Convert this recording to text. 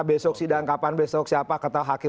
besok sidang kapan besok siapa kata hakim